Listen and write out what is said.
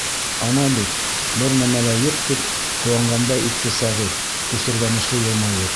— Ана бит, бер нәмә лә юҡ, тип ҡыуанғандай итте Сәғит, көсөргәнешле йылмайып.